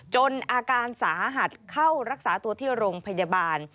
อาการสาหัสเข้ารักษาตัวที่โรงพยาบาล